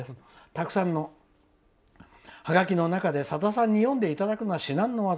たくさんのハガキの中でさださんに読んでいただくのは至難の業。